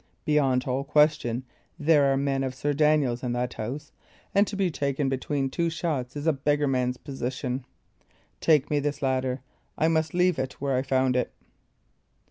Beyond all question there are men of Sir Daniel's in that house, and to be taken between two shots is a beggarman's position. Take me this ladder; I must leave it where I found it."